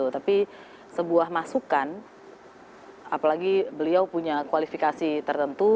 tapi sebuah masukan apalagi beliau punya kualifikasi tertentu